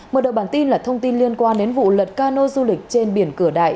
mở đầu bản tin là thông tin liên quan đến vụ lật cano du lịch trên biển cửa đại